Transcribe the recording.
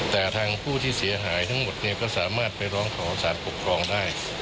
แต่ทางผู้ที่เสียหายทั้งหมดเนี่ยก็สามารถไปร้องขอสารปกครองได้